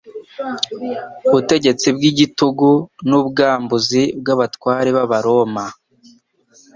Ubutegetsi bw'igitugu n'ubwambuzi bw'abatware b'Abaroma,